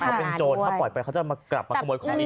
เขาเป็นโจรถ้าปล่อยไปเขาจะมากลับมาขโมยของอีก